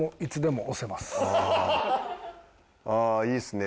ああいいですね